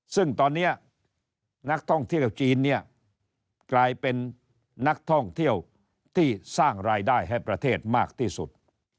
ซึ่งตอนนี้นักท่องเที่ยวจีนเนี่ยกลายเป็นนักท่องเที่ยวที่สร้างรายได้ให้ประเทศมากที่สุด